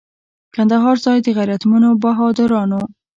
کندهار ځای د غیرتمنو بهادرانو.